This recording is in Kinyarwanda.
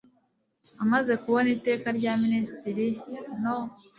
Amaze kubona Iteka rya Minisitiri no